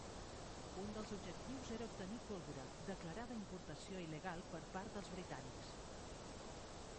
Un dels objectius era obtenir pólvora, declarada importació il·legal per part dels britànics.